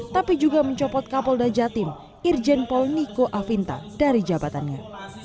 tapi juga mencopot kapolda jatim irjen pol niko afinta dari jabatannya